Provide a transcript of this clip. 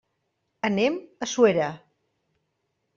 Anem a Suera.